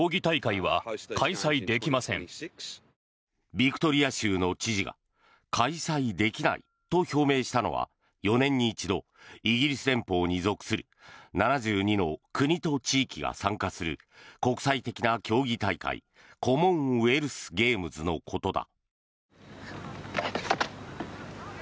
ビクトリア州の知事が開催できないと表明したのは４年に一度イギリス連邦に属する７２の国と地域が参加する国際的な競技大会コモンウェルスゲームズのことだ。